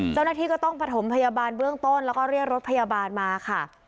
เจ้าหน้าที่ก็ต้องประถมพยาบาลเบื้องต้นแล้วก็เรียกรถพยาบาลมาค่ะ